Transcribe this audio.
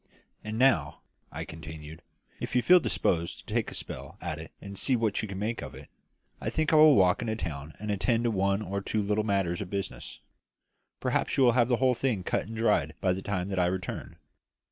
And now," I continued, "if you feel disposed to take a spell at it and see what you can make of it, I think I will walk into the town and attend to one or two little matters of business. Perhaps you will have the whole thing cut and dried by the time that I return."